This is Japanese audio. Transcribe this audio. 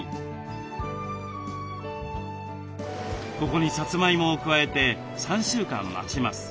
ここにさつまいもを加えて３週間待ちます。